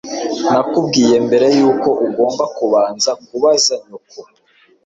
Nakubwiye mbere yuko ugomba kubanza kubaza nyoko